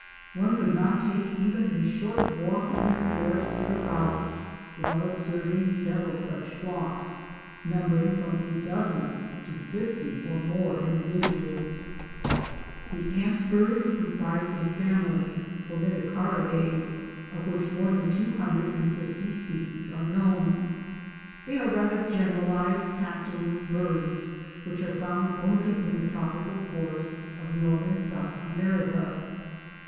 One could not take even a short walk in the forest hereabouts without observing several such flocks, numbering from a dozen to fifty or more individuals. The Antbirds comprise a family, Formicariidae, of which more than two hundred and fifty species are known. They are rather generalized passerine birds, which are found only in the tropical forests of northern South America.